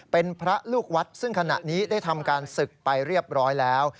เป็นพระลูกวัดซึ่งขณะนี้ได้ทำการศึกไปเรียบร้อยแล้ว